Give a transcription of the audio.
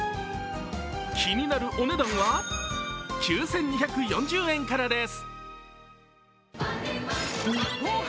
気になるお値段は９２４０円からです。